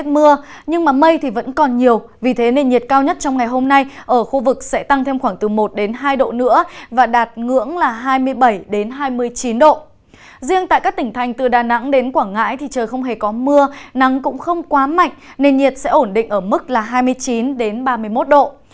riêng tại các tỉnh thành từ đà nẵng đến quảng ngãi thì trời không hề có mưa nắng cũng không quá mạnh nền nhiệt sẽ ổn định ở mức là hai mươi chín ba mươi một độ